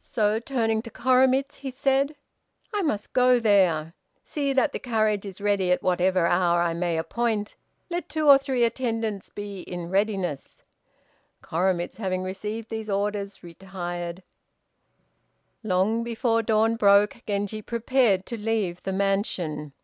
So, turning to Koremitz, he said, "I must go there. See that the carriage is ready at whatever hour I may appoint. Let two or three attendants be in readiness." Koremitz, having received these orders, retired. Long before dawn broke, Genji prepared to leave the mansion.